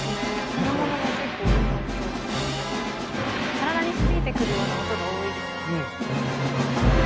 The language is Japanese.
体に響いてくるような音が多いですよね。